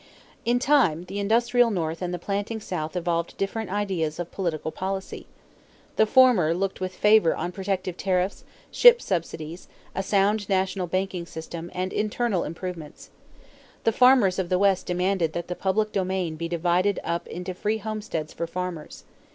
In time, the industrial North and the planting South evolved different ideas of political policy. The former looked with favor on protective tariffs, ship subsidies, a sound national banking system, and internal improvements. The farmers of the West demanded that the public domain be divided up into free homesteads for farmers.